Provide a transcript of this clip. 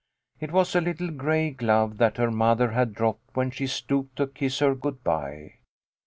It was a little gray glove that her mother had dropped, when she stooped to kiss her good bye.